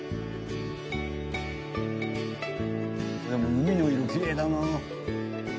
海の色きれいだな。